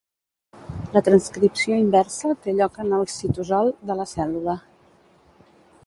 La transcripció inversa té lloc en el citosol de la cèl·lula.